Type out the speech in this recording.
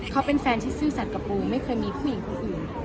เขาเป็นแฟนที่ซื่อสัตว์กับปูไม่เคยมีผู้หญิงคนอื่น